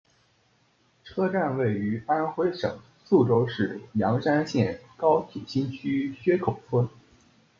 车站位于安徽省宿州市砀山县高铁新区薛口村。